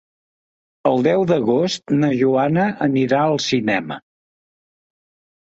El deu d'agost na Joana anirà al cinema.